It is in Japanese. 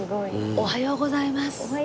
おはようございます。